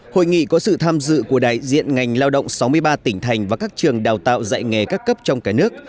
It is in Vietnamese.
hội nghị có sự tham dự của đại diện ngành lao động sáu mươi ba tỉnh thành và các trường đào tạo dạy nghề các cấp trong cả nước